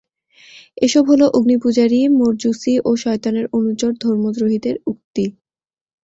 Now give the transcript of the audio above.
এসব হলো অগ্নিপূজারী মজুসী ও শয়তানের অনুচর ধর্মদ্রোহীদের উক্তি।